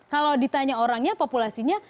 kalau ditanya orangnya populasinya